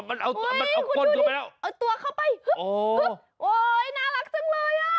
มันเอาก้นตัวไปแล้วคุณดูดิเอาตัวเข้าไปฮึ๊บฮึ๊บโอ๊ยน่ารักจังเลย